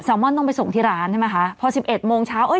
มอนต้องไปส่งที่ร้านใช่ไหมคะพอสิบเอ็ดโมงเช้าเอ้ย